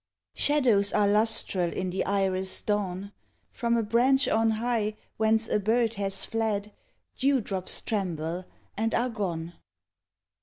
IV Shadows are lustral in the iris'd dawn; From a branch on high whence a bird has fled Dew drops tremble and are gone.